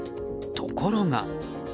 ところが。